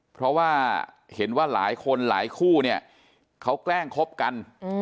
เพราะว่าเห็นว่าหลายคนหลายคู่เนี่ยเขาแกล้งคบกัน